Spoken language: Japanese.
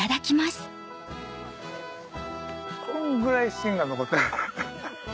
こんぐらいしんが残ってる。